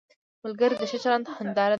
ملګری د ښه چلند هنداره ده